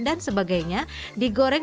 dan sebagainya digoreng